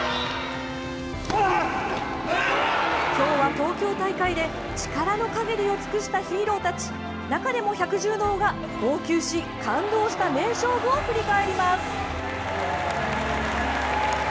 今日は、東京大会で力の限りを尽くしたヒーローたち中でも百獣の王が、号泣し感動した名勝負を振り返ります。